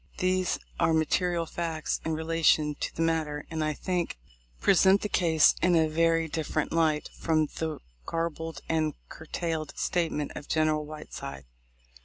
These are the material facts in relation to the matter, and I think present the case in a very dif ferent light from the garbled and curtailed statment of General Whiteside.